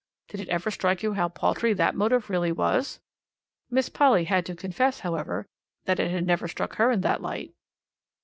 did it ever strike you how paltry that motive really was?" Miss Polly had to confess, however, that it had never struck her in that light.